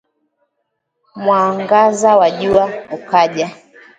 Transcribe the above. mwangaza wa jua ukaja